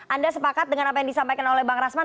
anda sepakat dengan apa yang disampaikan oleh bang rasman